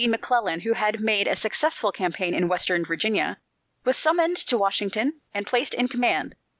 McClellan, who had made a successful campaign in Western Virginia, was summoned to Washington and placed in command.